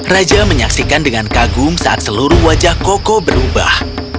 raja menyaksikan dengan kagum saat seluruh wajah koko berubah